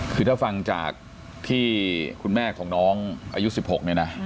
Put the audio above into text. คือถ้าฟังจากที่คุณแม่ของน้องอายุ๑๖เนี่ยนะ